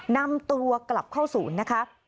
นำตัวกลับเข้าศูนย์นะคะ